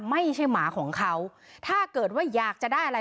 หมาของเขาถ้าเกิดว่าอยากจะได้อะไร